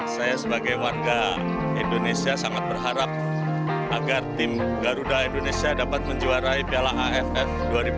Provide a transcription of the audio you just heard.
saya sebagai warga indonesia sangat berharap agar tim garuda indonesia dapat menjuarai piala aff dua ribu dua puluh